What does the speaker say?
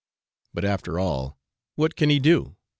But, after all, what can he do?